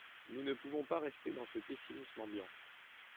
Nous ne pouvons pas rester dans ce pessimisme ambiant.